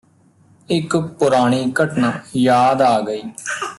ਇੱਕ ਪੁਰਾਣੀ ਘਟਨਾ ਯਾਦ ਆ ਗਈ